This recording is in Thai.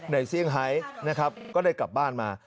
ในเซียงใฮจ์ก็ได้กลับบ้านมา